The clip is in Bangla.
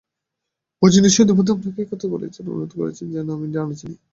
মজিদ নিশ্চয়ই ইতোমধ্যে আপনাকে এই কথা বলেছে এবং অনুরোধ করেছে যেন আমি না-জানি।